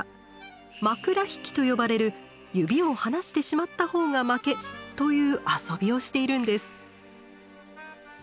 「枕引き」と呼ばれる指を離してしまった方が負けという遊びをしているんです。